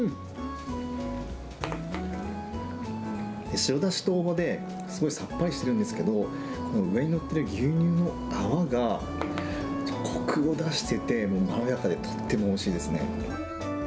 白だしですごいさっぱりしてるんですけど、上に載ってる牛乳の泡が、こくを出してて、まろやかでとってもおいしいですね。